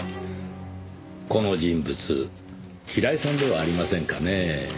この人物平井さんではありませんかねぇ。